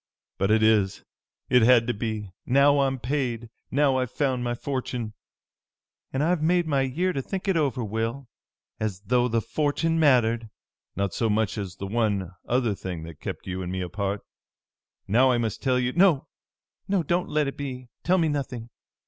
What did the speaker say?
"But it is! It had to be! Now I'm paid! Now I've found my fortune!" "And I've had my year to think it over, Will. As though the fortune mattered!" "Not so much as that one other thing that kept you and me apart. Now I must tell you " "No, no, let be! Tell me nothing!